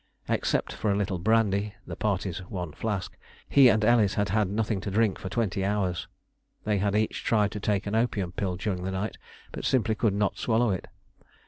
Except for a little brandy (the party's one flask), he and Ellis had had nothing to drink for twenty hours. They had each tried to take an opium pill during the night, but simply could not swallow it.